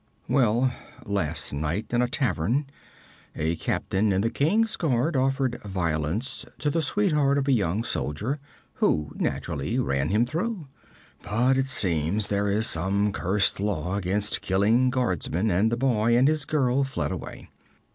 'Well, last night in a tavern, a captain in the king's guard offered violence to the sweetheart of a young soldier, who naturally ran him through. But it seems there is some cursed law against killing guardsmen, and the boy and his girl fled away.